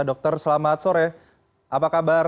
dokter selamat sore apa kabar